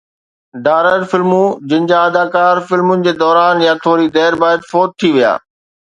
ڊارر فلمون جن جا اداڪار فلمن جي دوران يا ٿوري دير بعد فوت ٿي ويا